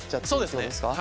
そうですね。